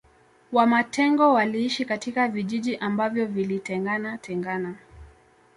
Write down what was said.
Wamatengo waliishi katika vijiji ambavyo vilitengana tengana